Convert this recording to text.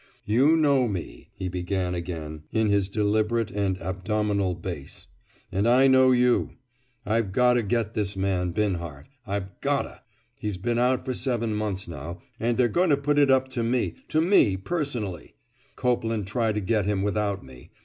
"You know me," he began again in his deliberate and abdominal bass. "And I know you. I've got 'o get this man Binhart. I've got 'o! He's been out for seven months, now, and they're going to put it up to me, to me, personally. Copeland tried to get him without me.